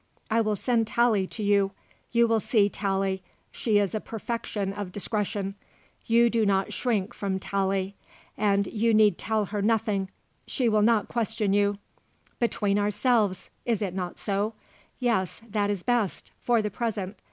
I will send Tallie to you. You will see Tallie she is a perfection of discretion; you do not shrink from Tallie. And you need tell her nothing; she will not question you. Between ourselves; is it not so? Yes; that is best. For the present.